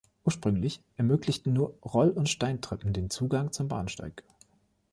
Ursprünglich ermöglichten nur Roll- und Steintreppen den Zugang zum Bahnsteig.